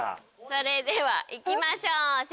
それではいきましょう。